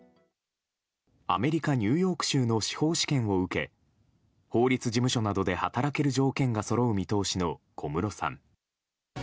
アメリカ・ニューヨーク州の司法試験を受け法律事務所などで働ける条件がそろう見通しの小室さん。